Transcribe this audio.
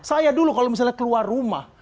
saya dulu kalau misalnya keluar rumah